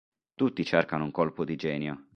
Tutti cercano un colpo di genio.